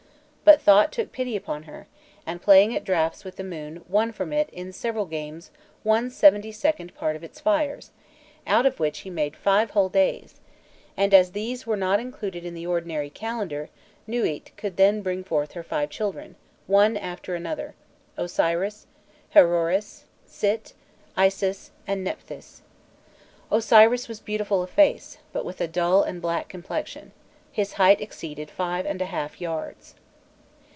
But Thot took pity upon her, and playing at draughts with the moon won from it in several games one seventy second part of its fires, out of which he made five whole days; and as these were not included in the ordinary calendar, Nûît could then bring forth her five children, one after another: Osiris, Haroêris, Sit, Isis, and Nephthys. Osiris was beautiful of face, but with a dull and black complexion; his height exceeded five and a half yards.